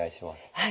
はい。